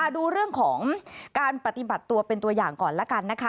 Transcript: ดูเรื่องของการปฏิบัติตัวเป็นตัวอย่างก่อนละกันนะคะ